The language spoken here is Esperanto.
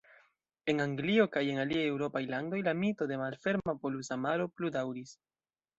En Anglio kaj en aliaj eŭropaj landoj, la mito de "Malferma Polusa Maro" pludaŭris.